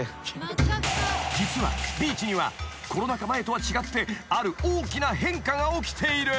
［実はビーチにはコロナ禍前とは違ってある大きな変化が起きている］